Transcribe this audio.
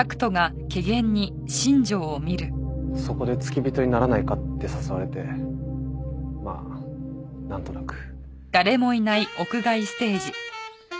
そこで付き人にならないかって誘われてまあなんとなく。